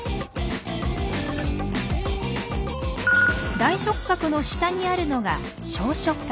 大触角の下にあるのが小触角。